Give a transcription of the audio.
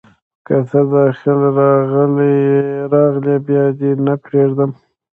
که ته، داځل راغلي بیا دې نه پریږدم